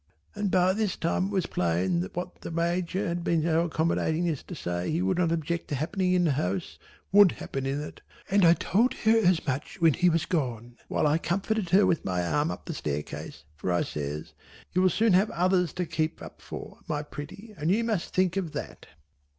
And by that time it was plain that what the Major had been so accommodating as to say he would not object to happening in the house, would happen in it, and I told her as much when he was gone while I comforted her with my arm up the staircase, for I says "You will soon have others to keep up for my pretty and you must think of that."